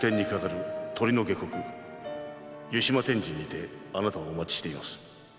湯島天神にてあなたをお待ちしています」